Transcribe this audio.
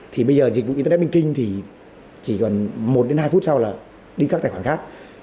thì bây giờ dịch vụ internet banking thì chỉ còn một đến hai phút sau là đi các tài khoản khác